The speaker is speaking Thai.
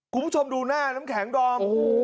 คุณผู้ชมดูหน้าน้ำแข็งดอม